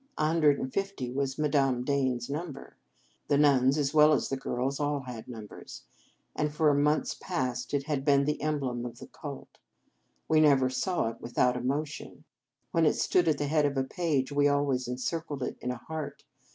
A hundred and fifty was Madame Dane s number (the nuns as well as the girls all had num bers), and for months past it had been the emblem of the cult. We never saw it without emotion. When it stood at the head of a page, we always encircled it in a heart.